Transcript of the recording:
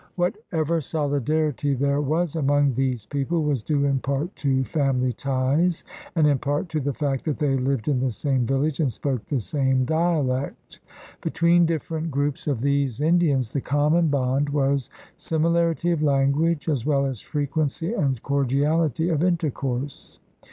Whatever solidarity there was among these peo ple was due in part to family ties and in part to the fact that they lived in the same village and spoke the same dialect. Between different groups of these Indians, the common bond was similarity of language as well as frequency and cordiality of intercourse.